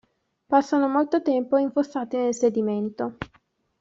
Passano molto tempo infossati nel sedimento.